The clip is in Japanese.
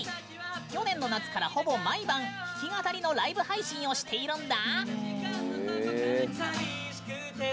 去年の夏から、ほぼ毎晩弾き語りのライブ配信をしているんだ。